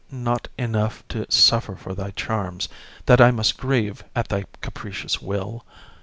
Is't not enough to suffer for thy charms That I must grieve at thy capricious will?